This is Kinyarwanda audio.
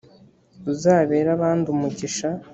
uzabere abandi umugisha